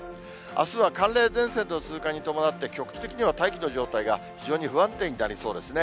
あすは寒冷前線の通過に伴って、局地的には大気の状態が非常に不安定になりそうですね。